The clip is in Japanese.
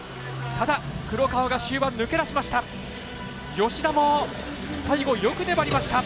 ただ、黒川が終盤抜け出しました。